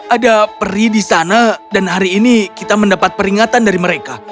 ada peri di sana dan hari ini kita mendapat peringatan dari mereka